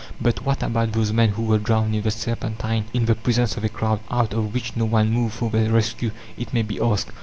"But what about those men who were drowned in the Serpentine in the presence of a crowd, out of which no one moved for their rescue?" it may be asked.